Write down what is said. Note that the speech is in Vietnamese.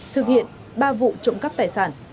thực hiện ba vụ trộm cắp tài sản